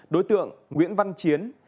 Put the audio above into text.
đối tượng nguyễn văn chiến